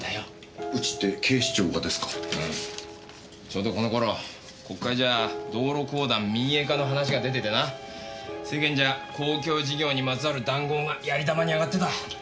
ちょうどこの頃国会じゃ道路公団民営化の話が出ててな世間じゃ公共事業にまつわる談合がやり玉に上がってた。